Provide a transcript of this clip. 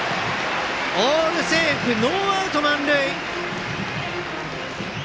オールセーフ、ノーアウト満塁。